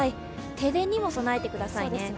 停電にも備えてくださいね。